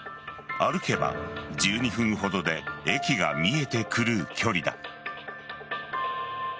歩けば１２分ほどで駅が見えてくる距離だ。